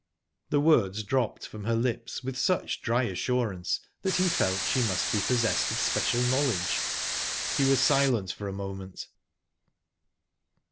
The words dropped from her lips with such dry assurance that he felt she must be possessed of special knowledge. He was silent for a moment.